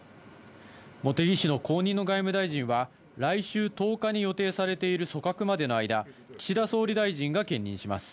茂木氏の後任の外務大臣は、来週１０日に予定されている組閣までの間、岸田総理大臣が兼任します。